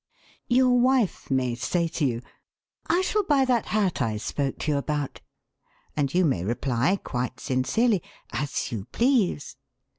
Your wife may say to you: 'I shall buy that hat I spoke to you about.' And you may reply, quite sincerely, 'As you please.'